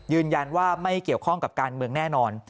ยืนยันว่าไม่เกี่ยวข้องกับการเมืองแน่นอน